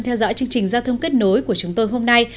theo dõi chương trình giao thông kết nối của chúng tôi hôm nay